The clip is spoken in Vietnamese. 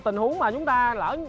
tình huống mà chúng ta lỡ